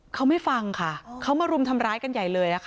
เขาไม่ฟังค่ะเขามารุมทำร้ายกันใหญ่เลยค่ะ